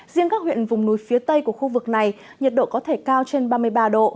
riêng các huyện vùng núi phía tây của khu vực này nhiệt độ có thể cao trên ba mươi ba độ